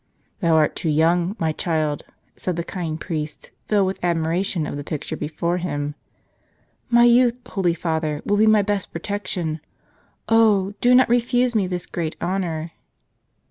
"Thou art too young, my child," said the kind priest, filled with admiration of the picture before him. " My youth, holy father, will be my best protection. Oh ! do not refuse me this great honor."